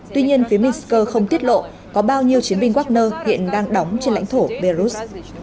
tuy nhiên phía minsk không tiết lộ có bao nhiêu chiến binh wagner hiện đang đóng trên lãnh thổ belarus